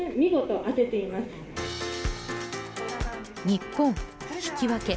日本、引き分け